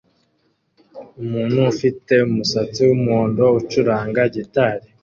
Umuntu ufite umusatsi wumuhondo ucuranga gitari